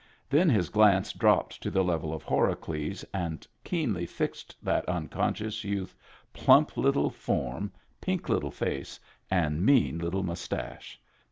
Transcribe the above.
Then his glance dropped to the level of Horacles, and keenly fixed that unconscious youth's plump little form, pink little face, and mean little mustache.